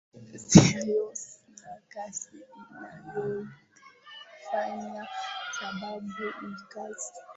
serious na kazi inayoifanya sababu hii kazi